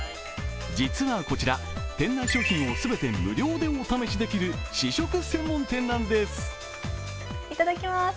実はこちら、店内商品をすべて無料でお試しできる試食専門店なんです。